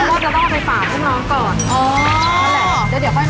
แล้วฉันต้องไปฝากพี่พ่อได้ไหม